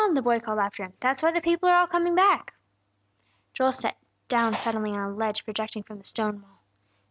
the boy called after him. "That's why the people are all coming back." Joel sat down suddenly on a ledge projecting from the stone wall.